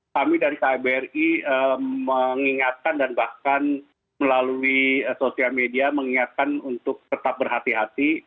kami dari kbri mengingatkan dan bahkan melalui sosial media mengingatkan untuk tetap berhati hati